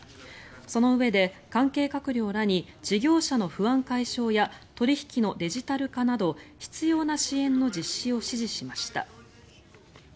そのうえで関係閣僚らに事業者の不安解消や取り引きのデジタル化など必要な支援の実施を指示しました。